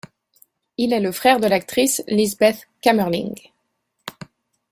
Il est le frère de l'actrice Liesbeth Kamerling.